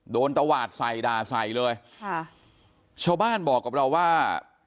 ตวาดใส่ด่าใส่เลยค่ะชาวบ้านบอกกับเราว่า